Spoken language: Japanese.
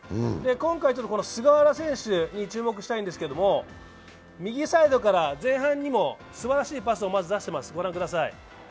今回、菅原選手に注目したいんですけれども右サイドから前半にもすばらしいパスをまず出しています。